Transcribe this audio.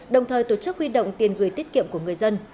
đồng thời tổ chức huy động tiền gửi tiết kiệm của người dân